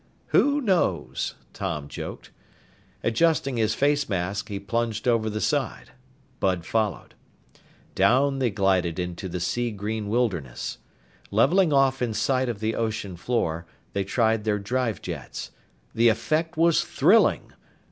"Who knows?" Tom joked. Adjusting his face mask, he plunged over the side. Bud followed. Down they glided into the sea green wilderness. Leveling off in sight of the ocean floor, they tried their drive jets. The effect was thrilling!